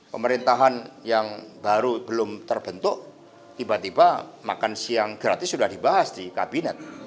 pemerintahan yang baru belum terbentuk tiba tiba makan siang gratis sudah dibahas di kabinet